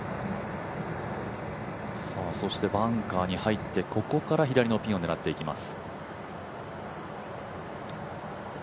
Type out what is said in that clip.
そしてバンカーに入ってここから左のピンを狙っていきます。